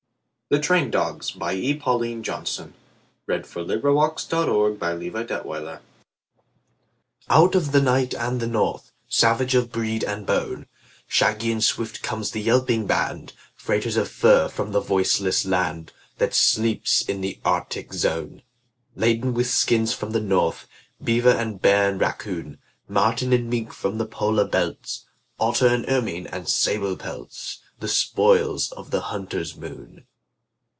call of the singing firs In the hush of the golden moon. THE TRAIN DOGS Out of the night and the north; Savage of breed and of bone, Shaggy and swift comes the yelping band, Freighters of fur from the voiceless land That sleeps in the Arctic zone. Laden with skins from the north, Beaver and bear and raccoon, Marten and mink from the polar belts, Otter and ermine and sable pelts The spoils of the hunter's moon.